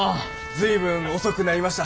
随分遅くなりました。